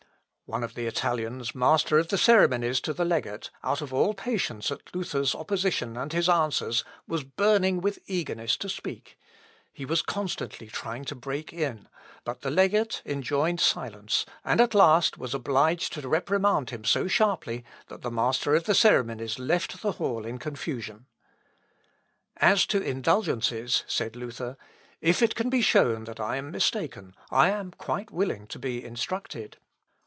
One of the Italians, master of the ceremonies to the legate, out of all patience at Luther's opposition and his answers, was burning with eagerness to speak. He was constantly trying to break in, but the legate enjoined silence, and at last was obliged to reprimand him so sharply, that the master of the ceremonies left the hall in confusion. Luth. Op. (L.) xvii, p. 180. "As to indulgences," said Luther, "if it can be shown that I am mistaken, I am quite willing to be instructed.